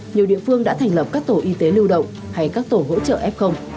nhiều địa phương đã thành lập các tổ y tế lưu động hay các tổ hỗ trợ f